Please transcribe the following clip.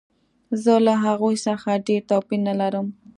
زه له هغوی څخه ډېر توپیر نه لرم